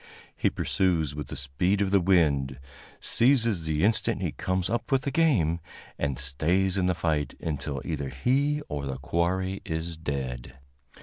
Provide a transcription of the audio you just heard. He pursues with the speed of the wind, seizes the instant he comes up with the game, and stays in the fight until either he or the quarry is dead.